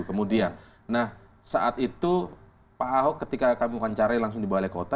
kemudian nah saat itu pak ahok ketika kami wancarai langsung di balai kota